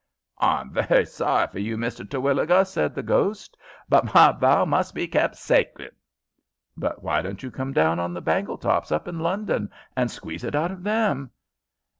"H'I'm very sorry for you, Mr. Terwilliger," said the ghost. "But my vow must be kept sacrid." "But why don't you come down on the Bangletops up in London, and squeeze it out of them?"